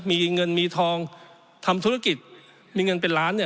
มีเงินมีทองทำธุรกิจมีเงินเป็นล้านเนี่ย